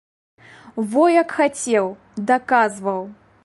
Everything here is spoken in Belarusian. Во як хацеў, даказваў.